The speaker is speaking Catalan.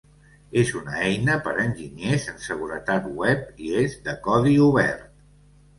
És una eina per a enginyers en seguretat web i és de codi obert.